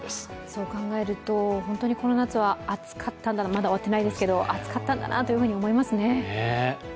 そう考えると、本当にこの夏はまだ終わっていないですけど、暑かったんだなと思いますね。